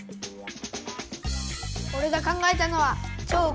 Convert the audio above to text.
おれが考えたのは超高級カー。